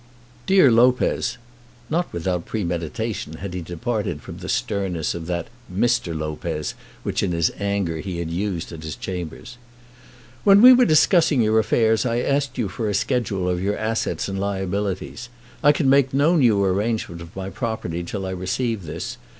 DEAR LOPEZ, [not without premeditation had he departed from the sternness of that "Mr. Lopez," which in his anger he had used at his chambers] When we were discussing your affairs I asked you for a schedule of your assets and liabilities. I can make no new arrangement of my property till I receive this.